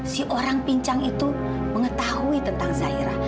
si orang pincang itu mengetahui tentang zairah